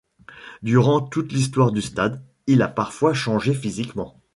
Durant toute l'histoire du stade, il a parfois changé physiquement.